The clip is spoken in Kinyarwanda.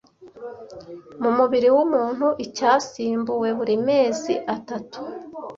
Mu mubiri wumuntu icyasimbuwe buri mezi atatu